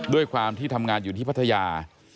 ด้วยความที่ทำงานอยู่ที่พัทยา